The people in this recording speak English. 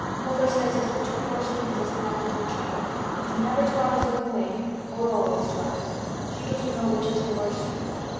Mother says as th' two worst things as can happen to a child is never to have his own way—or always to have it. She doesn't know which is th' worst.